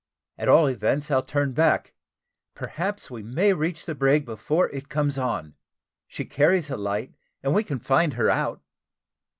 At all events I'll turn back; perhaps we may reach the brig before it comes on. She carries a light, and we can find her out."